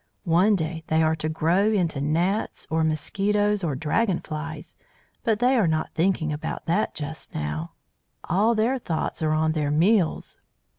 One day they are to grow into gnats or mosquitoes or dragon flies, but they are not thinking about that just now, all their thoughts are on their meals.